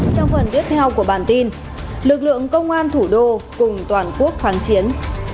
trong phần tiếp theo của bản tin lực lượng công an thủ đô cùng toàn quốc kháng chiến